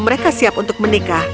mereka siap untuk menikah